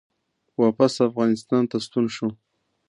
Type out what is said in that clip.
واپس افغانستان ته ستون شو